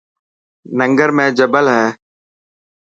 ننگر ۾ جبل هي.